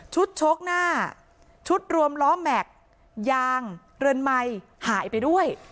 โชคหน้าชุดรวมล้อแม็กซ์ยางเรือนไมค์หายไปด้วย